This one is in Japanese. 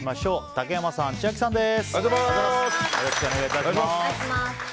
竹山さん、千秋さんです。